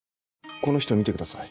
この人見てください。